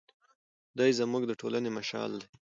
دی زموږ د ټولنې مشعل دی.